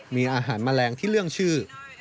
มีอาหารแมลงที่เรื่องชื่อ